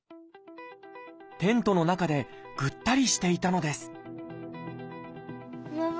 テントの中でぐったりしていたのですママ。